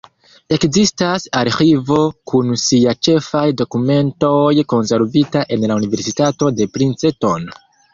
Ekzistas arĥivo kun siaj ĉefaj dokumentoj konservita en la Universitato de Princeton.